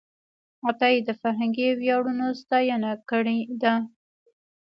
عطایي د فرهنګي ویاړونو ستاینه کړې ده.